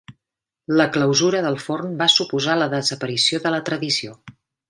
La clausura del forn va suposar la desaparició de la tradició.